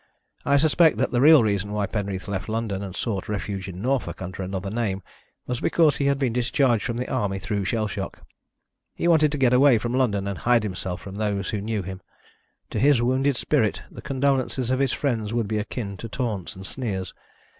I suspect that the real reason why Penreath left London and sought refuge in Norfolk under another name was because he had been discharged from the Army through shell shock. He wanted to get away from London and hide himself from those who knew him. To his wounded spirit the condolences of his friends would be akin to taunts and sneers.